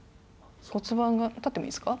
骨盤が立ってもいいですか？